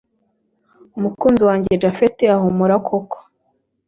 umukunzi wanjye japhet ahumura koko